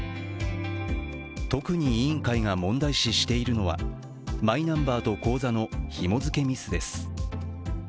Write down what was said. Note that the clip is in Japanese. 特に委員会が問題視しているのは、マイナンバーと口座のひも付けミスです。